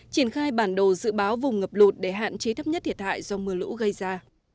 triển khai bản đồ dự báo vùng ngập lụt để hạn chế thấp nhất thiệt hại do mưa lũ gây ra